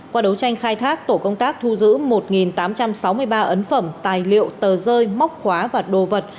qua đấu tranh khai thác tổ công tác thu giữ một tám trăm sáu mươi ba ấn phẩm tài liệu tờ rơi móc khóa và đồ vật